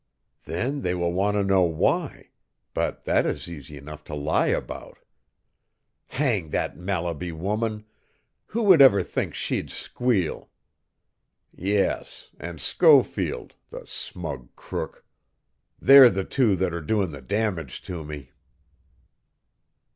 "Then they will want to know why, but that is easy enough to lie about. Hang that Mallaby woman! Who would ever think she'd squeal? Yes, and Schofield, the smug crook! They're the two that are doin' the damage to me."